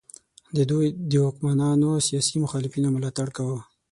دوی د واکمنانو سیاسي مخالفینو ملاتړ کاوه.